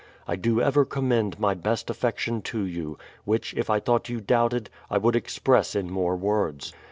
I do ever commend my best affection to you, which if I thought you doubted, I would express in more words.